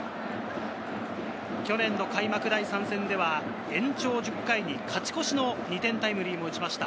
去年の開幕第３戦では延長１０回に勝ち越しの２点タイムリーを打ちました。